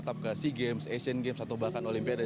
tetap ke sea games asian games atau bahkan olimpiade